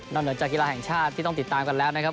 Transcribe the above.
เหนือจากกีฬาแห่งชาติที่ต้องติดตามกันแล้วนะครับ